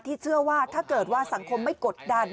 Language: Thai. เชื่อว่าถ้าเกิดว่าสังคมไม่กดดัน